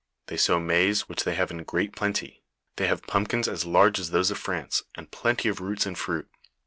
They sow maize which they have in great plenty ; they have pumpkins as large as those of France, and plenty of roots and fruit.